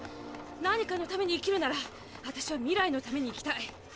何かのために生きるなら私は未来のために生きたい。